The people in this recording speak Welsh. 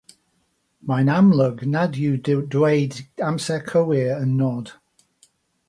Mae'n amlwg nad yw dweud amser cywir yn nod.